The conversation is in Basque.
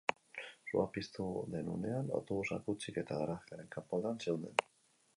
Sua piztu den unean, autobusak hutsik eta garajearen kanpoaldean zeuden.